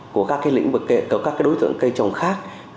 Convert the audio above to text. của các lĩnh vực các đối tượng cây trồng khác